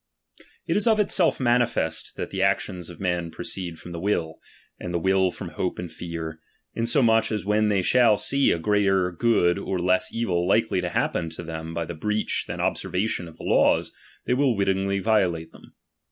It is of itself manifest that the actions of men chap, v, proceed from the will, and the will from hope and '~^' fear, insomuch as when they shall see a greater of nature good or less evil likely to happen to them by the for ibV^rBer breach than observation of the laws, they will ""^°""'^ p'" wittingly violate them.